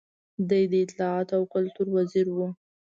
دی د اطلاعاتو او کلتور وزیر و.